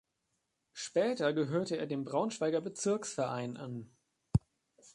Später gehörte er dem Braunschweiger Bezirksverein an.